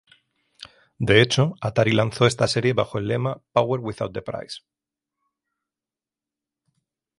De hecho Atari lanzó esta serie bajo el lema "Power without the price".